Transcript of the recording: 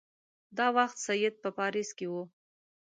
دا وخت سید په پاریس کې وو.